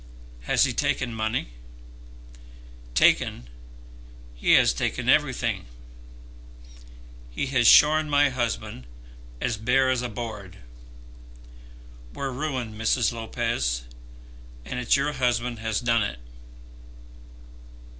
"Has he taken money?" "Taken! he has taken everything. He has shorn my husband as bare as a board. We're ruined, Mrs. Lopez, and it's your husband has done it.